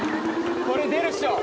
これ出るっしょ。